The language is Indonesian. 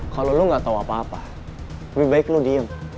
kalau lo gak tau apa apa lebih baik lo diem